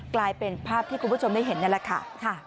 กลายเป็นภาพที่คุณผู้ชมได้เห็นนั่นแหละค่ะ